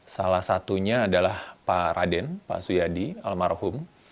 salah satunya adalah pak raden pak suyadi almarhum